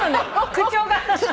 口調が。